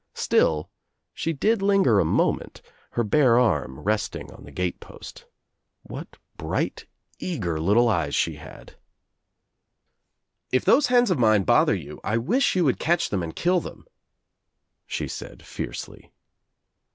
Still she did linger a moment, her bare arm resting on the gate post. What bright eager little eyes she hadi "If those hens of mine bother you I wish you would catch them and kill them," she said fiercely.